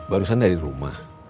barusan dari rumah